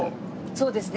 そうですね。